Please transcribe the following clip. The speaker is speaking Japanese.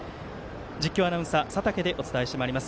実況アナウンサー佐竹でお伝えします。